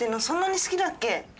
そんなに好きだっけ？